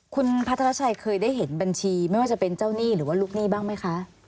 คุณพัทรชัยเคยได้เห็นบัญชีไม่ว่าจะเป็นเจ้าหนี้หรือว่าลูกหนี้บ้างไหมคะ